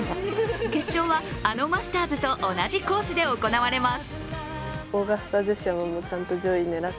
決勝は、あのマスターズと同じコースで行われます。